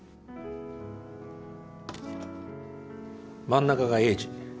真ん中が栄治。